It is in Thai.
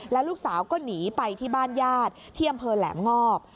แล้วลูกสาวก็หนีไปที่บ้านญาติที่อำเภอแหลมงอบ